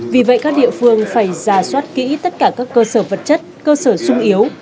vì vậy các địa phương phải ra soát kỹ tất cả các cơ sở vật chất cơ sở sung yếu